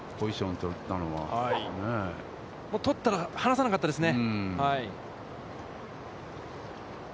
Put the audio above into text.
取ったら離さなかったですね。